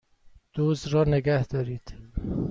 دزد را نگهدارید!